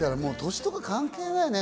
年とか関係ないね。